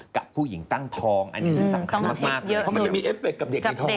กับผู้หญิงตั้งท้องอันนี้ซึ่งสำคัญมากเพราะมันจะมีเอฟเฟคกับเด็กในท้อง